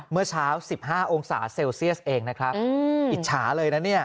เมื่อเช้า๑๕องศาเซลเซียสเองนะครับอิจฉาเลยนะเนี่ย